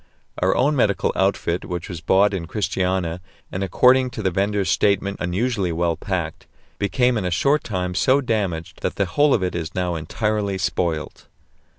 Our own medical outfit, which was bought in Christiania, and according to the vendor's statement unusually well packed, became in a short time so damaged that the whole of it is now entirely spoilt.